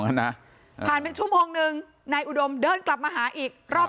นะผ่านเป็นชั่วโมงนึงนายอุดมเดินกลับมาหาอีกรอบ